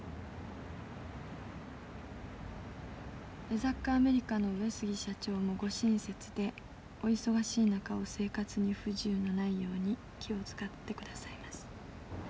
「江坂アメリカの上杉社長もご親切でお忙しい中を生活に不自由のないように気を遣ってくださいます。